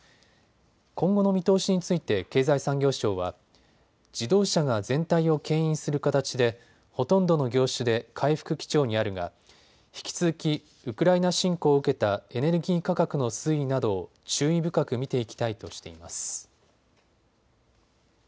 今後の見通しについて経済産業省は自動車が全体をけん引する形でほとんどの業種で回復基調にあるが引き続きウクライナ侵攻を受けたエネルギー価格の推移などを注意深く見ていきたいとしています。